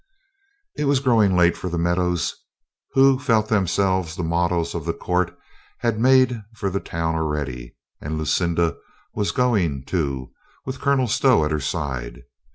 It was growing late for the meadows. Who felt themselves the models of the court had made for the town already, and Lucinda was going, too, with Colonel Stow at her side.